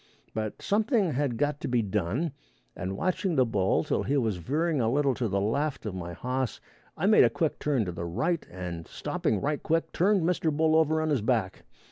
But something had got to be done, and watching the bull till he was veering a little to the left of my hoss I made a quick turn to the right, and stopping right quick, turned Mr. Bull over on his back.